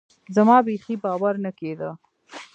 زما بيخي باور نه کېده.